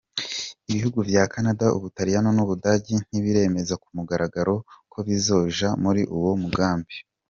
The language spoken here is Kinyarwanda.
Ibihugu vya Canada, Ubutaliyano n'Ubudagi ntibiremeza ku mugaragaro ko bizoja muri uwo mugambi.